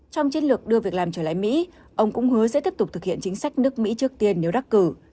trong chiến lược đưa việc làm trở lại mỹ ông cũng hứa sẽ tiếp tục thực hiện chính sách nước mỹ trước tiên nếu đắc cử